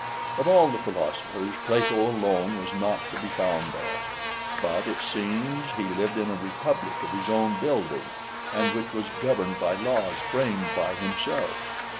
Of all the philosophers, Plato {123d} alone was not to be found there, but it seems he lived in a republic of his own building, and which was governed by laws framed by himself.